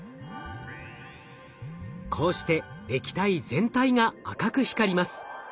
こうして液体全体が赤く光ります。